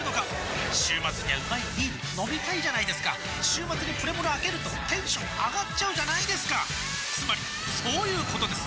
週末にはうまいビール飲みたいじゃないですか週末にプレモルあけるとテンション上がっちゃうじゃないですかつまりそういうことです！